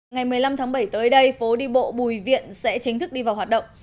ngày một mươi năm tháng bảy tới đây phố đi bộ bùi viện sẽ chính thức đi vào hoạt động